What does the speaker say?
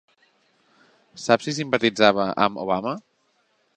Saps si simpatitzava amb Obama?